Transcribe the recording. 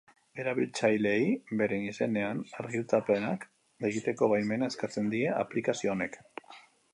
Erabiltzaileei beren izenean argitalpenak egiteko baimena eskatzen die aplikazio honek.